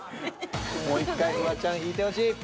もう１回フワちゃん引いてほしい。